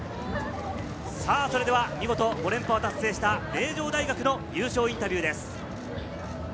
見事５連覇を達成した、名城大学の優勝インタビューです。